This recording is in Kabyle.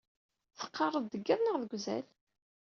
Teqqaṛeḍ deg iḍ neɣ deg uzal?